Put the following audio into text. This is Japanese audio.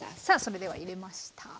さあそれでは入れました。